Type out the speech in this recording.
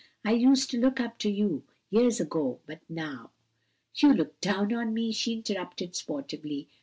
"I used to look up to you years ago, but now " "You look down on me?" she interrupted sportively.